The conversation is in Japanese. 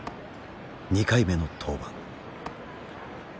２回目の登板。